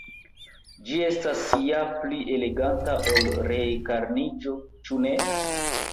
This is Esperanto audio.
Ĝi estas ja pli eleganta ol reenkarniĝo, ĉu ne?